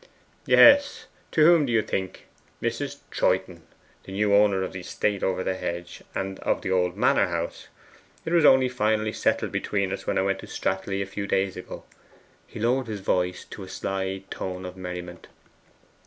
'Yes; to whom do you think? Mrs. Troyton, the new owner of the estate over the hedge, and of the old manor house. It was only finally settled between us when I went to Stratleigh a few days ago.' He lowered his voice to a sly tone of merriment.